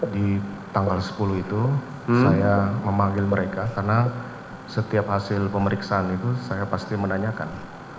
di tanggal sepuluh itu saya memanggil mereka karena setiap hasil pemeriksaan itu saya pasti menanyakan